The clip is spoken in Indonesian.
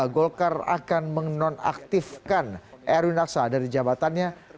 golkar akan menonaktifkan erwin aksa dari jabatannya